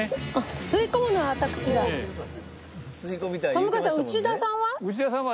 田迎さん内田さんは？